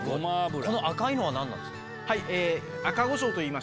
この赤いのは何ですか？